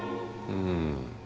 うん。